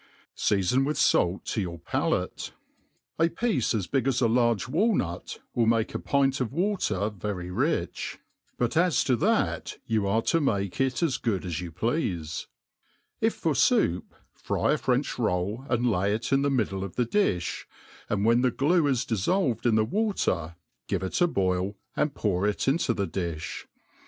Seafon with fait to your palate* A piece as big as a large walnut will make a pint of water very rich I JAADE PLAIN AND EASY/ 13$^^ rich; but as to thit you are to make it as good as you pleafe; if for foup, fry a French roll and lay it in the middle of the di(h, and when the glue is difTolved in the water, give it a boil, and pour it into a difli.